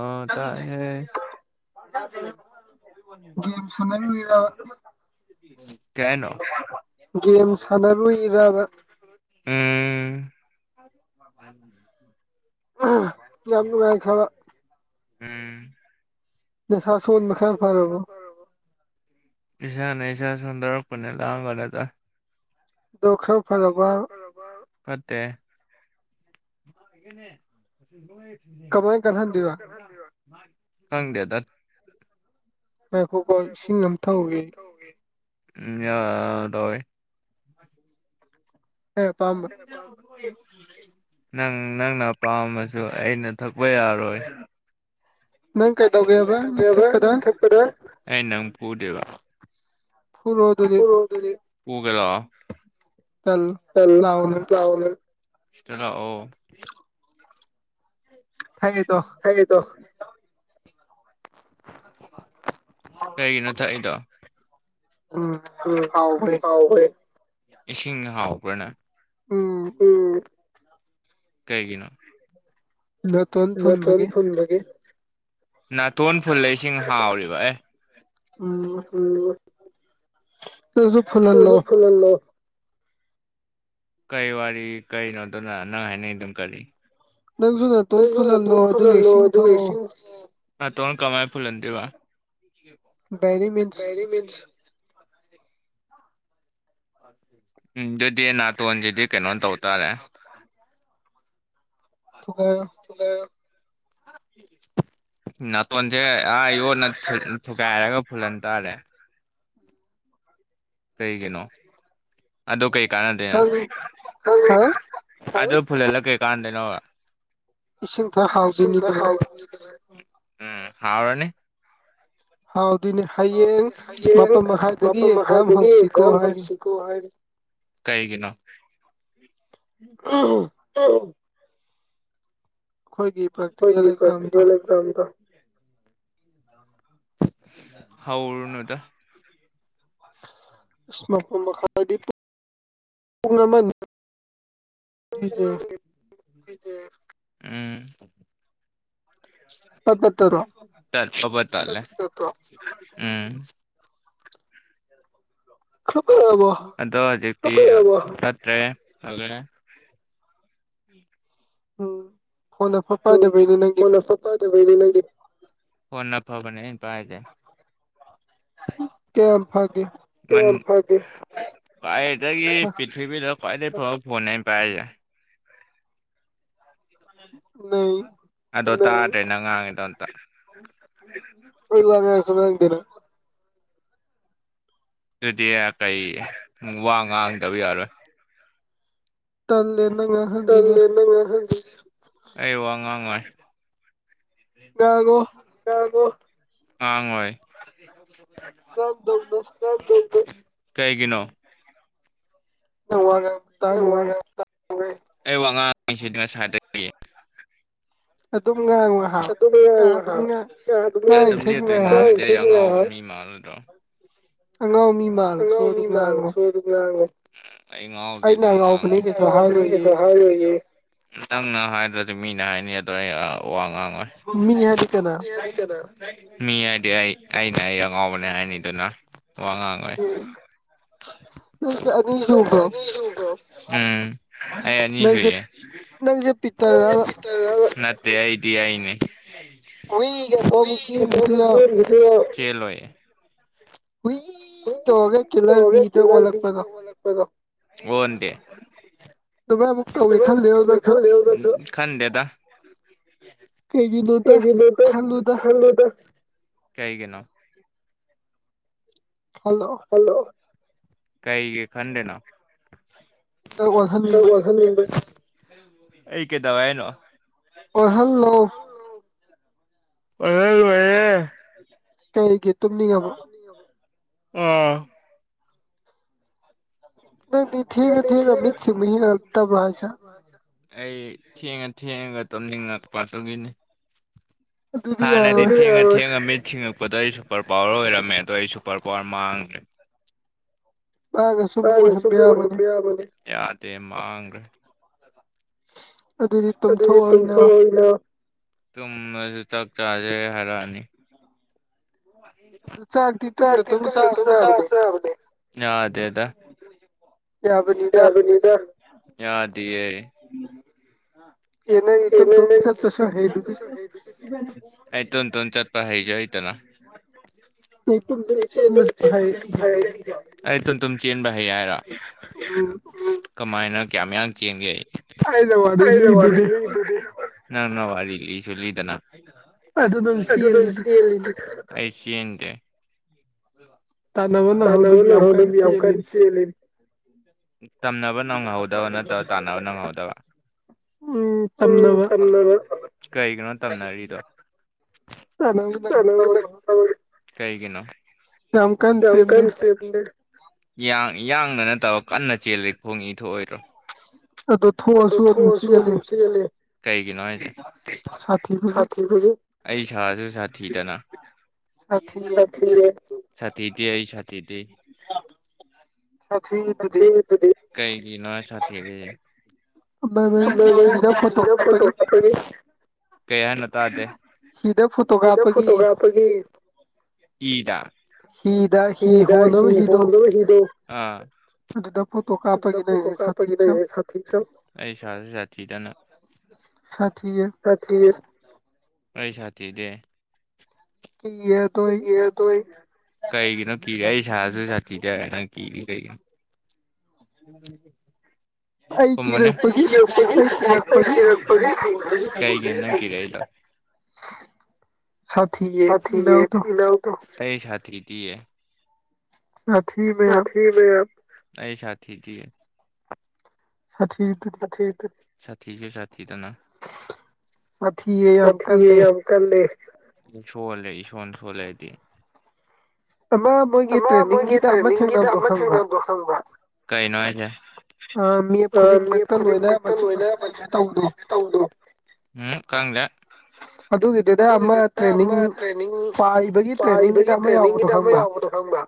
ꯑ ꯇ ꯍꯦ ꯁ ꯍꯅꯤꯔ ꯀꯩꯅꯣ ꯒꯦꯝ ꯁꯥꯟꯅꯔꯨꯏꯔꯕ ꯎꯝ ꯌꯥꯝ ꯈ ꯎꯝ ꯄꯁꯥꯅꯦꯁ ꯁꯗꯔꯛꯄ ꯂꯒꯗ ꯗꯗꯨ ꯈꯔꯣ ꯐꯠꯇꯦ ꯊꯥꯡꯪꯗ ꯇ ꯃꯈꯣꯀꯣ ꯏꯁꯤꯡ ꯑꯝ ꯊꯧꯋꯦ ꯌꯥꯗꯣꯏ ꯅꯪ ꯅꯪꯅ ꯄꯥꯝꯃꯁꯨ ꯑꯩꯅ ꯊꯛꯄ ꯌꯥꯔꯣꯏ ꯅꯪ ꯀꯦꯕ ꯍꯣ ꯇꯖꯤ ꯄꯨꯒꯂ ꯆꯜ ꯂꯥꯎꯅ ꯆꯂꯑꯣ ꯍꯥꯏ ꯇꯣ ꯀꯔꯤ ꯅ ꯊꯥꯏꯗ ꯎꯝ ꯍꯥꯎ ꯏꯁꯤꯡ ꯍꯥꯎꯕ꯭ꯔꯅꯦ ꯎ ꯀꯩꯒꯤꯅꯣ ꯇꯣꯟ ꯐꯨꯒꯤ ꯅꯥꯇꯣꯟ ꯐꯨꯜꯂꯏꯁꯤꯡ ꯍꯥꯎꯔꯤꯕ ꯑꯦ ꯎꯝ ꯁꯨ ꯐꯣꯟꯟꯂꯣ ꯀꯩ ꯋꯥꯔꯤ ꯀꯩꯅꯣꯗꯅ ꯅꯪ ꯍꯥꯏꯅꯤꯡ ꯑꯗꯨꯝ ꯀꯔꯤ ꯅꯁꯨꯅ ꯇꯣ ꯐꯂꯦꯜ ꯂꯣ ꯑꯗꯨꯦꯁꯤ ꯑ ꯇ ꯀꯃꯥꯏ ꯐꯨꯂ ꯋꯥ ꯎꯝ ꯑꯗꯨꯗꯤ ꯅꯥ ꯇ ꯑꯗꯨꯗꯤ ꯀꯩꯅꯣ ꯇꯧꯇꯥꯥꯔꯦ ꯊ ꯀ [inaudible] ꯅꯥꯇꯣꯟꯁꯦ ꯑꯥ ꯌꯣꯟꯅ ꯊꯨꯒꯥꯏꯔꯒ ꯐꯨꯜꯍꯟ ꯇꯥꯔꯦ ꯀꯩꯒꯤꯅꯣ ꯑꯗꯣ ꯀꯩ ꯀꯥꯟꯅꯗꯅ ꯐꯨꯜꯍꯜꯂꯛꯀꯦ ꯀꯥꯟꯗꯩꯅ ꯎꯝ ꯍꯥꯎꯅꯤ ꯍꯥꯎ ꯑꯗꯨꯅꯦ ꯍꯌꯦꯡ ꯃꯐꯝ ꯃꯈꯥꯏꯗꯒꯤ ꯑꯦꯛꯖꯝ ꯍꯧꯁꯤꯀꯣ ꯍꯥꯏꯔꯤ ꯀꯩꯒꯤꯅꯣ ꯑꯣ ꯍꯣꯏꯒꯤ ꯄꯗꯤ ꯀꯦꯂꯒ꯭ꯔꯝꯗ ꯍꯥꯎꯅꯗ ꯏꯁꯃꯣ ꯃꯈꯗꯤ ꯎꯝ ꯆꯠ ꯑꯕꯔ ꯆꯂꯦ ꯎꯝ ꯑꯗꯣ ꯍꯧꯖꯤꯛꯇꯤ ꯅꯠꯇ꯭ꯔꯦ ꯎꯝ ꯐꯣꯟ ꯑꯐ ꯄꯥꯏꯗꯕꯩꯩꯅ ꯅꯪꯒꯤꯗ ꯍ ꯅꯐꯥꯕꯅꯦ ꯄꯥꯏꯖꯦ ꯀ ꯀꯥꯏꯒꯤ ꯄꯤꯊꯗ ꯀꯥꯏꯅ ꯍꯥꯎ ꯐꯣꯟꯅꯦ ꯄꯥꯏꯖꯦ ꯑꯗꯣ ꯇꯥꯗ꯭ꯔꯦ ꯅ ꯉꯥꯡꯉꯤꯗꯣ ꯑꯝꯇ [inaudible] ꯆꯗꯅ ꯑꯗꯨꯗꯤ ꯀꯩ ꯋꯥ ꯉꯥꯡꯗꯕ ꯌꯥꯔꯣꯏ ꯇꯜ ꯑ ꯋꯥ ꯉꯉ ꯌꯥꯒꯣ ꯑꯉꯋꯥꯏ ꯀꯩꯒꯤꯅꯣ ꯑ ꯋꯥꯉ ꯇꯅꯅꯨꯡ ꯍꯥꯏ ꯑꯩ ꯋꯥꯉꯥꯡꯁꯤꯗꯨꯅ ꯁꯥꯏꯗꯦ [unintelligible] ꯇꯣ ꯑꯉꯥꯎ ꯃꯤ ꯃꯥꯜ ꯁꯣ ꯑꯗꯨ ꯉꯉꯣ ꯑꯩ ꯉ ꯉꯦ ꯅꯪꯅ ꯍꯥꯏꯗ꯭ꯔꯗꯤ ꯃꯤꯅ ꯍꯥꯏꯅꯤ ꯑꯗ ꯑꯩ ꯋꯥ ꯉꯥꯡꯉꯣꯏ ꯃꯤ ꯍꯥꯏꯗꯤ ꯑꯩ ꯑꯩꯅ ꯑꯩ ꯑꯉꯥꯎꯕꯅꯦ ꯍꯥꯏꯅꯤꯗꯨꯅ ꯋꯥ ꯉꯥꯡꯉꯣꯏ [inaudible] ꯎꯝ ꯑꯅꯤꯁꯨꯏꯌꯦ ꯅꯠꯇꯦ ꯑꯩꯗꯤ ꯍꯥꯏꯅꯦ ꯆꯦꯂꯣꯏ [unintelligible] ꯑꫭꯟꯗꯦ [unintelligible] ꯈꯟꯗꯦꯗ ꯀꯩꯒꯤꯅꫭꯗ ꯈꯜꯂꯨꯗ ꯀꯧꯒꯤꯅꫭ ꯈꯜꯂꯣ ꯀꯩꯒꯤ ꯈꯟꯗꫭꯅꫭ [unintelligible] ꯑꯩ ꯀꯩꯗꯧꯍꯥꯏꯅꯣ ꯑꯣꯏ ꯍꯜꯂꯣ [unintelligible] ꯀꯩꯒꯤ ꯇꯨꯅꯤꯡꯉꯕꫭ ꯎꯝ ꯑꯩ ꯊꯦꯡ ꯊꯦꯡ ꯇꯨꯝꯅꯤꯡꯉꯛꯄ ꯑꯗꯨꯒꯤꯅꯤ ꯍꯥꯟꯅꯗꯤ ꯊꯦꯡꯉ ꯊꯦꯡꯉ ꯃꯤꯠ ꯁꯤꯡꯉꯛ ꯄꯗ ꯑꯩ ꯁꯨꯄꫪ ꯄꯋꯥꫪ ꯑꯣꯏꯔꯝꯃꯦ ꯑꯗꯣ ꯑꯩ ꯁꯨꯄꫪ ꯄꯋꯥꫪ ꯃꯥꯡꯈ꯭ꯔꯦ [unintelligible] ꯌꯥꯕꯅꯦ ꯌꯥꯗꯦ ꯃꯥꯡꯈ꯭ꯔꯦ ꯑꯗꯨꯗꯤ ꯇꯨꯝꯊꫭꯛꯑꫭ ꯏꯅꯥꯎ ꯇꯨꯝꯃꯁꯨ ꯆꯥꯛ ꯆꯥꯖꯦ ꯍꯥꯏꯔꯛꯑꯅꯤ ꯆꯥꯛꯇꯤ ꯇꯨꯝꯅ ꯇꯨꯝꯅ ꯆꯥꯔꯁꯨ ꯌꯥꯕꯅꯦ ꯌꯥꯗꯦ ꯌꯥꯕꯅꯤꯗ ꯌꯥꯗꯤꯌꯦ [inaudible] [unintelligible] ꯑꯩ ꯇꯨꯟ ꯇꯨꯟ ꯆꯠꯄ ꯍꯩꯖꯨ ꯍꯩꯇꯅ [inaudible] [unintelligible] ꯑꯩ ꯇꯨꯝ ꯇꯨꯝ ꯆꯦꯟꯕ ꯍꯩ ꯍꯥꯏꯔꯣ ꯀꯃꯥꯏꯅ ꯀꯌꯥꯝ ꯌꯥꯡ ꯆꯦꯟꯒꯦ ꯑꯩ ꯑꯩꯅ ꯋꯥꯔꯤ ꯂꯤꯗꯨꯗꯤ ꯅꯪꯅ ꯋꯥꯔꯤ ꯂꯤ ꯁꯨ ꯂꯤꯗꯅ ꯑꯗꯨ ꯅꯪꯅ ꯆꯦꯜꯂꯤꯅꯤ ꯑꯩ ꯆꯦꯟꯗꯦ ꯇꯟꯅꯕ ꯅꯪꯍꯧꯕꯤ ꯌꯥꯝ ꯀꯟ ꯆꯦꯜꯂꯤꯅꯦ ꯇꯝꯅꯕ ꯅꯪ ꯍꯧꯗꯕ ꯅꯠꯇꯕ ꯇꯥꯟꯅꯕ ꯅꯪꯍꯧꯗꯕ ꯎꯝ ꯇꯝꯅꯕ ꯀꯔꯤꯒꯤꯅꯣ ꯇꯝꯅꯔꯤꯗꯣ [unintelligible] ꯌꯥꯝ ꯀꯟꯅ ꯆꯦꯕꯒꯤ ꯌꯥ ꯌꯥꯡꯅ ꯅꯠꯇꯕ ꯀꯟꯅ ꯆꯦꯜꯂꯗꯤ ꯈꫭꯡ ꯏ ꯊꯣꯛꯑꯣꯏꯗ꯭ꯔꯣ ꯑꯗꫭ ꯊꯣꯛꯑꯁꯨ ꯑꯗꯨꯝ ꯆꯜꯂꯤ ꯀꯩꯒꯤꯅꯣ ꯍꯥꯏꯁ ꯁꯥꯊꯤꯕꯒꯤ ꯑꯩ ꯁꯥꯁꯨ ꯁꯥꯊꯤꯗꯅ [unintelligible] ꯁꯥꯊꯤꯗꯤ ꯑꯩ ꯊꯤꯗꯦ ꯁꯥꯊꯤꯔꯤꯗꯨꯗꯤ ꯀꯩꯒꯤ ꯅꯣ ꯁꯥꯊꯤꯔꯤꯁꯦ [unintelligible] ꯀꯩ ꯍꯥꯏꯅꫭ ꯇꯥꯗꯦ ꯍꯤꯗ ꯐꯣꯇꯣꯀꯥꯞꯄꯒꯤ ꯍꯤꯗꯥ ꯍꯤꯗ ꯍꯤ ꯍꫭꯟꯅꯕ ꯍꯤꯗꫭ ꯑꯗꯨꯗ ꯐꯣꯇꯣ ꯀꯥꯞꯄꯒꯤꯅꯦ [unintelligible] ꯑꯩꯁꯨ ꯁꯥꯊꯤꯗꯅ ꯁꯥꯊꯤꯔꯦ ꯑꯩ ꯁꯥꯊꯤꯗꯦ ꯀꯤ ꯑꯗꯨ ꯑꯩ ꯀꯩꯒꯤꯅꯣ ꯀꯤꯔꯤ ꯑꯩ ꯁꯥꯁꯨ ꯁꯥꯊꯤꯗꯦ ꯅꯪ ꯀꯤꯔꯤ [unintelligible] [inaudible] ꯈꯨꯝꯃꯨꯅꯦ [unintelligible] ꯑꯩ ꯀꯤꯔꯛꯄꯒꯤ ꯀꯩꯒꯤꯅꫭ ꯅꯪ ꯀꯤꯔꯛꯏꯗꫭ ꯁꯥꯊꯤꯌꯦ ꯏꯅꯥꯎꯗꫭ ꯁꯥꯊꯤꯃꯦ ꯑꯩ ꯁꯥꯊꯤꯗꯤꯌꯦ ꯁꯥꯊꯤꯔꯤꯗꯨꯗꯤ ꯁꯥꯊꯤꯁꯨ ꯁꯥꯊꯤꯗꯅ ꯁꯥꯊꯤꯌꯦ ꯌꯥꯝ ꯀꯜꯂꯦ ꯑꯩ ꯁꯣꯜꯂꯦ ꯏꯁꯣꯟ ꯁꯣꯜꯂꯦ ꯑꯩꯗꯤ ꯑꯃ ꯃꯣꯏꯒꯤ ꯇ꯭ꯔꯦꯅꯤꯡꯒꯤꯗ ꯑꯃ ꯊꯦꯡꯗꯣ ꯈꯪꯕ꯭ꯔ ꯀꯩꯅꯣ ꯍꯥꯏ ꯑ ꯃꯤꯒ ꯈꯨꯗꯤꯡꯃꯛꯇ ꯂꯣꯏꯅ ꯃꯆꯤꯟꯠ ꯃꯆ ꯂꯩ ꯇꯧꯕꯗꯣ ꯎ ꯑꯗꯨꯒꯤꯗꯨꯗ ꯑꯃ ꯇ꯭ꯔꯦꯅꯤꯡ ꯄꯥꯏꯕꯒꯤ ꯇ꯭ꯔꯦꯅꯤꯡꯒꯤꯗ ꯑꯃ ꯌꯥꯎꯕꯗꯣ ꯈꯪꯕ꯭ꯔ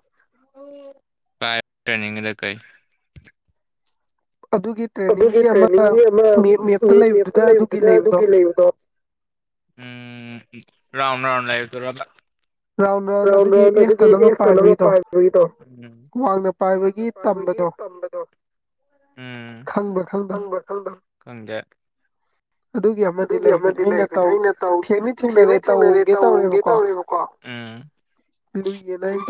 ꯐꯔ ꯇ꯭ꯔꯦꯅꯤꯡꯗ ꯀꯥꯏ ꯑꯗꯨꯒꯤ ꯇ꯭ꯔꯦꯅꯤꯡꯒꯤ ꯑꯃ ꯃꯦꯞꯇ ꯂꯩꯕꯗꯨꯗ ꯑꯗꯨꯒꯤ ꯂꯩꯕꯗꯣ ꯎꯝ ꯔꯥꯎꯟ ꯔꯥꯎꯟ ꯂꯥꯏꯕ ꯇ ꯔ ꯑꯗꯨꯒꯤ ꯑꯦꯁꯇ ꯑꯃ ꯄꯥꯏꯕꯒꯤꯗꯣ ꯋꯥꯡꯅ ꯄꯥꯏꯕꯒꯤ ꯇꯝꯕꯗꯣ ꯎꯝ ꯍꯦ ꯑꯗꯨꯒꯤ ꯑꯃꯗꯤ ꯂꯩꯕꯅꯤ ꯑꯩꯅꯧ ꯊꯦꯡꯅ ꯊꯦꯡꯅꯔꯦ ꯇꯧꯗꯦ ꯇꯧꯔꯦꯕꯀꯣ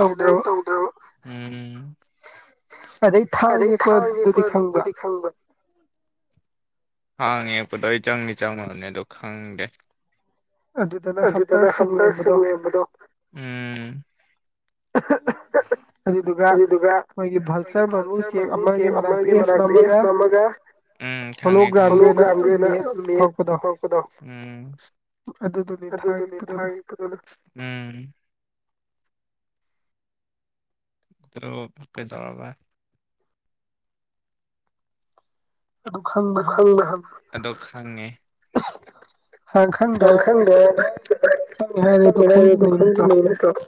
ꯎꯅꯟ ꯇꯧꯗ꯭ꯔꯣ ꯑꯗꯩ ꯊꯥꯡꯉꯦ ꯄꯠ ꯑꯗꯨꯗꯤ ꯈꯪꯕ ꯍꯥꯡꯉꯦꯄꯗꯣ ꯑꯩ ꯆꯪꯉ ꯆꯪꯉꯕꯅꯦ ꯑꯗꯣ ꯈꯪꯗꯦ ꯑꯗꯨꯗꯅ ꯍꯝꯇꯔꯁꯨ ꯂꯣꯏꯔꯡꯕꯗꯣ [inaudible] ꯑꯗꯨꯗꯨꯒ ꯃꯣꯏꯒꯤ ꯚꯜꯆꯔ ꯃꯃꯨ ꯆꯦ ꯑꯃꯒꯤ ꯃꯅꯥꯛꯇ ꯑꯦꯞꯁ ꯅ ꯑꯃꯒ ꯎꯝꯉ ꯍꯂꯣ ꯒ꯭ꯔꯥꯝꯒꯤ ꯑꯣꯏꯅ ꯊꯣꯛꯂꯛꯄꯗꯣ ꯎꯝ ꯑꯗꯨꯗꯨꯗꯤ ꯊꯥꯏꯗꯨꯅ ꯑꯗꯨ ꯄꯩ ꯋꯥꯕ ꯑꯗꯨ ꯈꯪꯉꯦ ꯀ ꯈꯪꯗ ꯈꯪ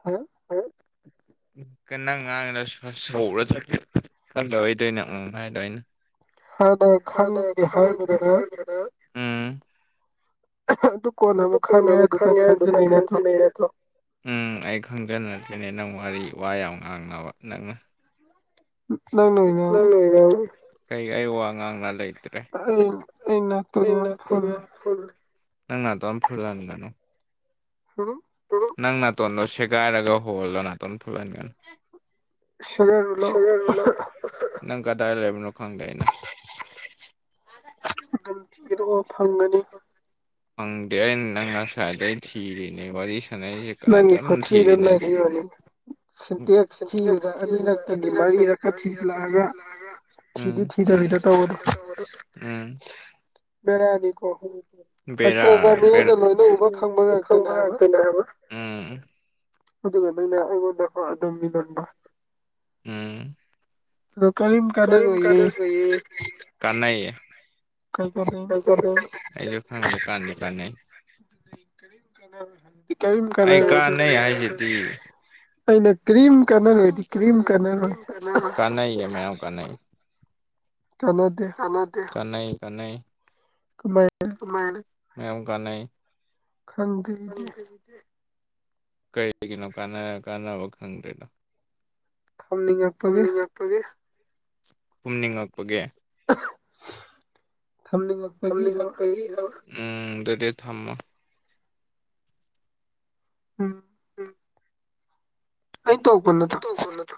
ꯍꯜꯂ ꯀ ꯅꯪ ꯉꯥꯡꯅꯧꯔ ꯆꯠꯦ ꯈꯪꯗ ꯑꯣꯏꯗꯣꯏꯅꯦ ꯎꯪ ꯍꯥꯏꯗꯩꯅꯦ ꯑꯗꯨ ꯀꯣꯟꯅ ꯑꯃꯨꯛ ꯈꯪꯉꯦ ꯑꯗꯨ ꯅꯪ ꯈꯪꯁꯤ ꯂꯩꯔꯦꯗꯣ ꯎꯝ ꯑꯩ ꯈꯪꯖꯅꯈꯤꯅꯦ ꯅꯪ ꯋꯥꯔꯤ ꯋꯥ ꯌꯥꯝ ꯉꯥꯡꯅꯕ ꯅꯪꯅ ꯀ ꯑꯩ ꯋꯥ ꯉꯥꯡꯅ ꯂꯩꯔꯤꯦ ꯏꯟꯅ ꯇꯒ ꯐ ꯅꯪꯉ ꯇꯣꯝ ꯐꯒꯅꯤꯒꯅꯣ ꯅꯪ ꯅꯥꯇꯣꯟꯗ ꯁꯦꯒꯥꯏꯔꯒ ꯍꯂꯣ ꯅꯥꯇꯣꯟ ꯐꯂꯅꯤꯒ ꯅꯪ ꯀꯗꯔ ꯈꯪꯗꯥꯏꯅ ꯍꯗꯦꯟꯅ ꯉ ꯁꯥꯏꯗ ꯆꯤꯔꯦ ꯅ ꯊꯗꯒꯅꯤꯇ ꯊꯕꯗ ꯑꯗꯨ ꯊꯂꯑꯒ ꯎꯝ ꯕꯦꯔꯥ ꯀ ꯍꯥꯏꯕ ꯎꯝ ꯑꯗꯨ ꯀꯗꯅ ꯑꯩꯉꯣꯟꯗ ꯐꯗꯝꯃꯤ ꯂꯝꯕ ꯎ ꯀ ꯀꯗ ꯀꯥꯟꯅꯥꯌꯦ ꯑꯩꯁꯨ ꯈꯪꯗꯦ ꯀꯥꯟꯗꯦ ꯀꯥꯟꯅꯩ ꯀꯗ ꯇꯔ ꯀꯗꯔ ꯑꯣꯏꯗ ꯀꯔꯤ ꯀꯔꯤ ꯃ ꯀꯅꯥ ꯀꯅꯥ ꯀꯅꯥꯥꯏ ꯃꯝꯀꯅ ꯈꯪꯗꯗꯤ ꯀꯩꯒꯤꯅꯣ ꯀ ꯀꯥꯟꯅꯕ ꯈꯪꯗ꯭ꯔꯦꯅꯣ ꯊꯝꯅꯤꯡꯉꯛꯄꯒꯤ ꯄꯨꯝꯅꯤꯡ ꯉꯛꯄꯒꯤ [inaudible] ꯎꯝ ꯑꯗꯨꯗꯤ ꯊꯝꯃꯣ ꯎꯝ [inaudible] ꯄꯅ ꯊ